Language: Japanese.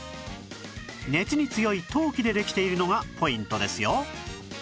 熱に強い陶器でできているのがポイントですよ